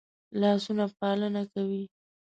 لاسونه پالنه کوي